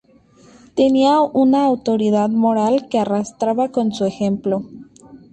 Tenía una autoridad moral que arrastraba con su ejemplo.